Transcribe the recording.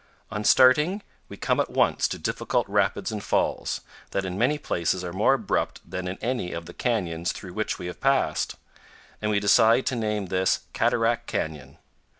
On starting, we come at once to difficult rapids and falls, that in many places are more abrupt than in any of the canyons through which we have passed, and we decide to name this Cataract Canyon.